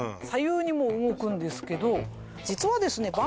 左右にも動くんですけど実はですね